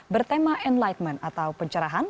bertema enlightenment atau pencerahan